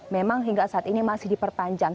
memang hingga saat ini masih diperpanjang